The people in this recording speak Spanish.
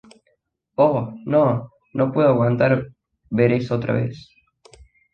Oh, no, no puedo aguantar ver eso otra vez.